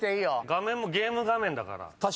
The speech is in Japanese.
画面もゲーム画面だから。